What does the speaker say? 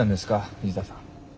藤田さん。